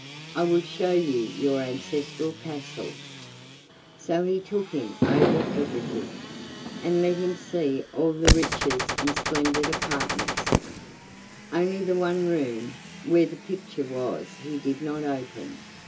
I will show you your ancestral castle." So he took him over everything, and let him see all the riches and splendid apartments, only the one room where the picture was he did not open.